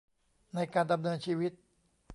ในการดำเนินชีวิต